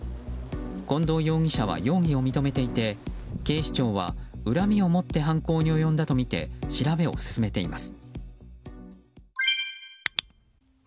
近藤容疑者は容疑を認めていて警視庁は恨みを持って犯行に及んだとみて調べを進めています。